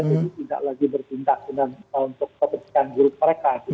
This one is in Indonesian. jadi tidak lagi bertindak untuk pembinaan grup mereka